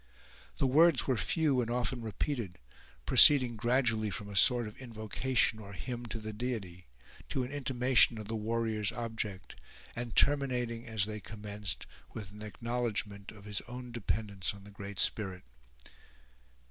The words were few and often repeated, proceeding gradually from a sort of invocation, or hymn, to the Deity, to an intimation of the warrior's object, and terminating as they commenced with an acknowledgment of his own dependence on the Great Spirit.